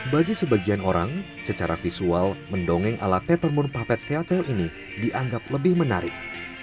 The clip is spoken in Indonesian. bagi sebagian orang secara visual mendongeng ala peppermint puppet theater ini dianggap lebih menarik